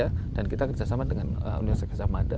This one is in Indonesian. jadi kita kerjasama dengan universitas gejah mada